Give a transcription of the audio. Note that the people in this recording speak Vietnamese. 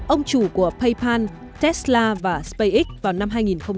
ông chủ của paypal tesla và spacex vào năm hai nghìn một mươi